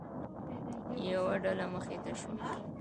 یوه ډله مخې ته شوه.